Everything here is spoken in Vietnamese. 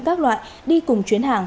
các loại đi cùng chuyến hàng